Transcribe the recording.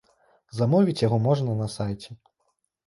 Замовіць яго можна на сайце.